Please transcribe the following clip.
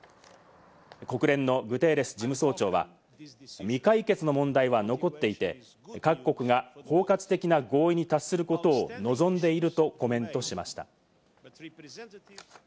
国連のグテーレス事務総長は、未解決の問題は残っていて、各国が包括的な合意に達することを望んでいるとコメントしました。